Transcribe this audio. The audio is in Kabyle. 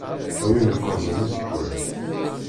A win yeqqazen iẓekwan.